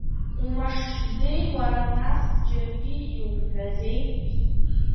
Умашшӡеи, уара, нас, џьаргьы иумҳәаӡеи?